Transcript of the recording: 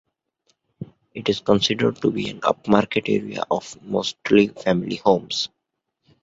It is considered to be an upmarket area of mostly family homes.